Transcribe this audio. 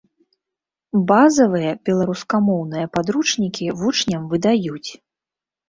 Базавыя беларускамоўныя падручнікі вучням выдаюць.